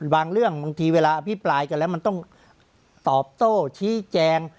เรื่องบางทีเวลาอภิปรายกันแล้วมันต้องตอบโต้ชี้แจง